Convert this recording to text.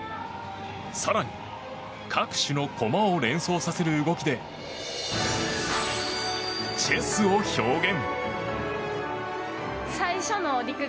更に、各種の駒を連想させる動きでチェスを表現。